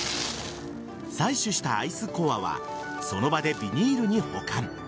採取したアイスコアはその場でビニールに保管。